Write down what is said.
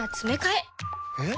えっ？